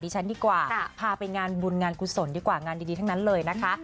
ฉันดีกว่าพาไปงานบุญงานกุศลดีกว่างานดีทั้งนั้นเลยนะคะ